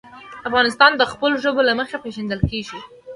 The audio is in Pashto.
افغانستان د خپلو ژبو له مخې پېژندل کېږي.